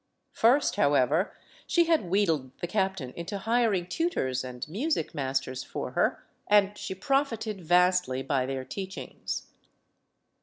First, how ever, she had wheedled the captain into hiring tutors and music masters for her, and she profited vastly by their teachings.